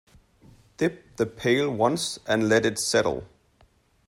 Dip the pail once and let it settle.